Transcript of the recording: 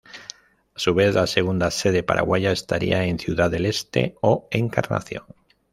A su vez, la segunda sede paraguaya estaría en Ciudad del Este o Encarnación.